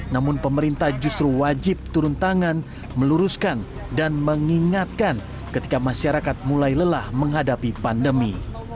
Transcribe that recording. namun pemerintah justru wajib turun tangan meluruskan dan mengingatkan ketika masyarakat mulai lelah menghadapi pandemi